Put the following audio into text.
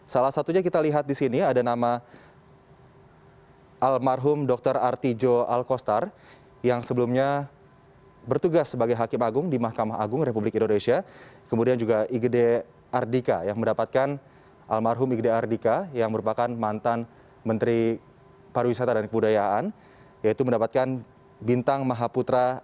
salah satunya kita lihat di sini ada nama almarhum dr artijo alkostar yang sebelumnya bertugas sebagai hakim agung di mahkamah agung republik indonesia kemudian juga igde ardika yang mendapatkan almarhum igde ardika yang merupakan mantan menteri pariwisata dan kemudayaan yaitu mendapatkan bintang mahaputra adi pradana